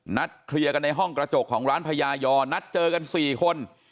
นัดเคลียร์กันในห้องกระจกของร้านพญายอนัดเจอกัน๔คน